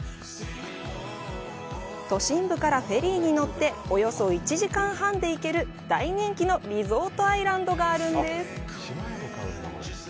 都心部からフェリーに乗っておよそ１時間半で行ける大人気のリゾートアイランドがあるんです。